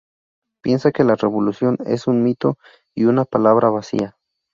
Piensa que la Revolución es un mito y una palabra vacía.